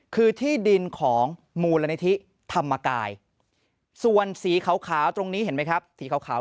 คือที่ดินของมูลนิธิธรรมกายส่วนสีขาวตรงนี้เห็นไหมครับสีขาว